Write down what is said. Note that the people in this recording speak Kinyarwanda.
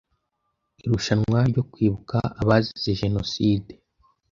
irushanwa ryo kwibuka abazize Jenoside .